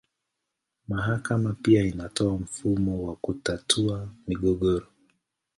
Mahakama pia inatoa mfumo wa kutatua migogoro.